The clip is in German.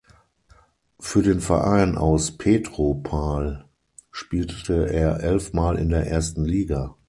Für den Verein aus Petropawl spielte er elfmal in der ersten Liga.